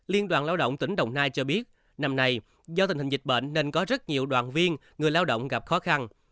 liên đoàn lao động tỉnh đồng nai cho biết năm nay do tình hình dịch bệnh nên có rất nhiều đoàn viên người lao động gặp khó khăn